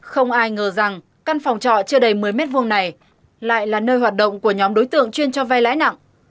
không ai ngờ rằng căn phòng trọ chưa đầy một mươi m hai này lại là nơi hoạt động của nhóm đối tượng chuyên cho vay lãi nặng